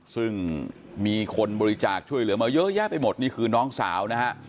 ซึ่งมีคนบริจาคช่วยเหลือมาเยอะแยะไปหมดนี่คือน้องสาวนะฮะ